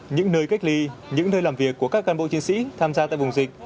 những nơi cách ly những nơi làm việc của các cán bộ chiến sĩ tham gia tại vùng dịch